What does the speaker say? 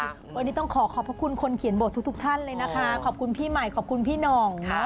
วันนี้ต้องขอขอบพระคุณคนเขียนบททุกท่านเลยนะคะขอบคุณพี่ใหม่ขอบคุณพี่หน่อง